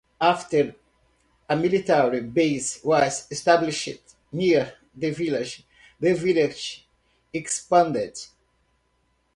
After a military base was established near the village, the village expanded.